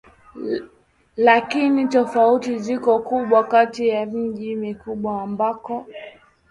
Lakini tofauti ziko kubwa kati ya miji mikubwa ambako